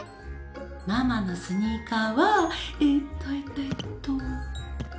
ママのスニーカーはえっとえっとえっと